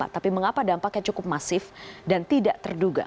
tapi mengapa dampaknya cukup masif dan tidak terduga